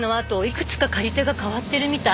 いくつか借り手が変わってるみたい。